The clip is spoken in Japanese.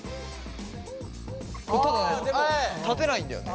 ただね立てないんだよね。